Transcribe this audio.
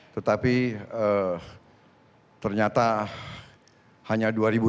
tetapi ternyata hanya dua